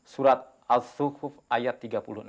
surat al sukuf ayat tiga puluh enam